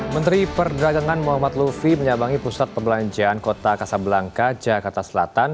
menteri perdagangan muhammad lufi menyabangi pusat perbelanjaan kota kasablangka jakarta selatan